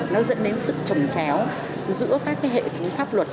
nó dẫn đến sự trồng chéo giữa các cái hệ thống pháp luật